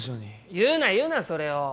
言うな言うなそれを！